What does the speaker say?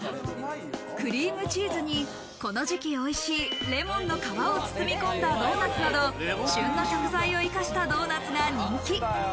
クリームチーズにこの時期おいしいレモンの皮を包み込んだドーナツなど、旬の食材を生かしたドーナツが人気。